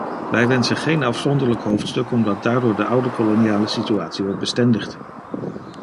Wij wensen geen afzonderlijk hoofdstuk omdat daardoor de oude koloniale situatie wordt bestendigd.